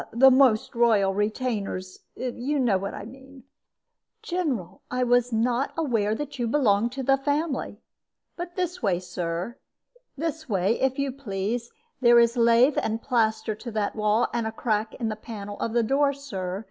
The most loyal retainers you know what I mean." "General, I was not aware that you belonged to the family. But this way, Sir; this way, if you please. There is lath and plaster to that wall, and a crack in the panel of the door, Sir.